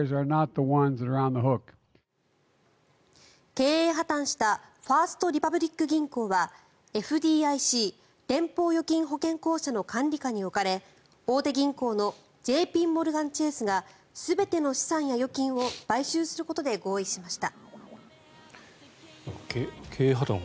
経営破たんしたファースト・リパブリック銀行はＦＤＩＣ・連邦預金保険公社の管理下に置かれ大手銀行のＪＰモルガン・チェースが全ての資産や預金を買収することで合意しました。